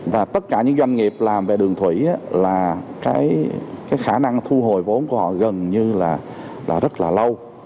và tất cả những doanh nghiệp làm về đường thủy là cái khả năng thu hồi vốn của họ gần như là rất là lâu